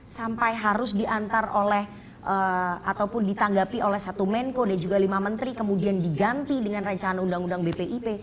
sampai harus diantar oleh ataupun ditanggapi oleh satu menko dan juga lima menteri kemudian diganti dengan rancangan undang undang bpip